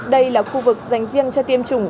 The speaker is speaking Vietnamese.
đây là khu vực dành riêng cho tiêm chủng